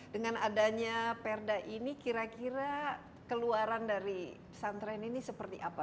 dengan adanya perda ini kira kira keluaran dari pesantren ini seperti apa